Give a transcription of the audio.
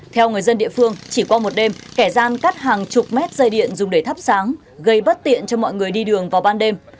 theo người dân địa phương chỉ qua một đêm kẻ gian cắt hàng chục mét dây điện dùng để thắp sáng gây bất tiện cho mọi người đi đường vào ban đêm